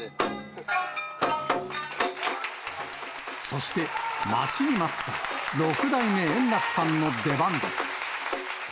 そして、待ちに待った六代目円楽さんの出番です。